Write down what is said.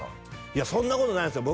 いやそんなことないですよ